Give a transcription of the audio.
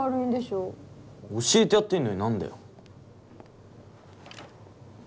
教えてやってんのに何だよ。